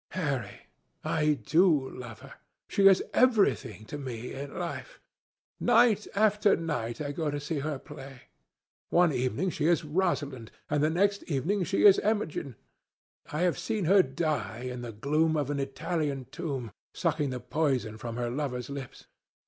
Harry, I do love her. She is everything to me in life. Night after night I go to see her play. One evening she is Rosalind, and the next evening she is Imogen. I have seen her die in the gloom of an Italian tomb, sucking the poison from her lover's lips.